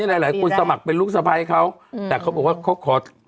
หลายหลายคนสมัครเป็นลูกสะพ้ายเขาแต่เขาบอกว่าเขาขอ